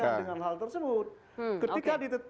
kita sudah sebaikan dengan hal tersebut